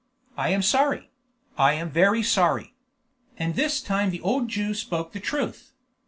I am sorry; I am very sorry." And this time the old Jew spoke the truth.